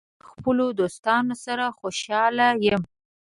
زه له خپلو دوستانو سره خوشاله یم.